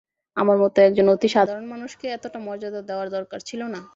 আমার মতো একজন অতি সাধারণ মানুষকে এতটা মর্যাদা দেওয়ার দরকার ছিল না।